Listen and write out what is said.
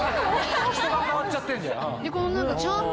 人が変わっちゃってんじゃん。